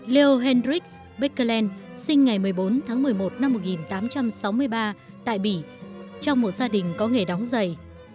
leo hendricks bạc kỳ lên sinh ngày một mươi bốn tháng một mươi một năm một nghìn tám trăm sáu mươi ba tại bỉ trong một gia đình có nghề đóng giày